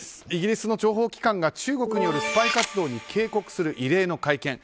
イギリスの諜報機関が中国のスパイ活動に警告する異例の会見。